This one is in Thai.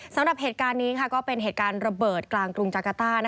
สำหรับเหตุการณ์นี้ก็เป็นเหตุการณ์ระเบิดกลางกรุงจากาต้า